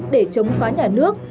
để chống phá nhà nước